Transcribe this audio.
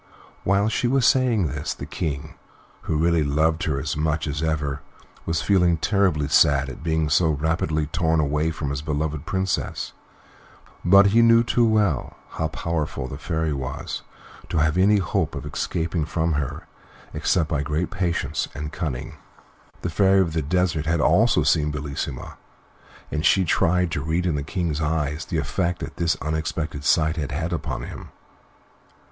While she was saying this, the King, who really loved her as much as ever, was feeling terribly sad at being so rapidly torn away from his beloved Princess, but he knew too well how powerful the Fairy was to have any hope of escaping from her except by great patience and cunning. The Fairy of the Desert had also seen Bellissima, and she tried to read in the King's eyes the effect that this unexpected sight had had upon him.